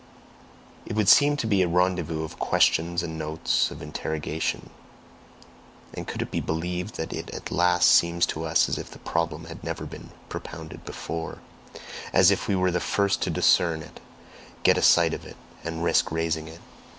It would seem to be a rendezvous of questions and notes of interrogation. And could it be believed that it at last seems to us as if the problem had never been propounded before, as if we were the first to discern it, get a sight of it, and RISK RAISING it?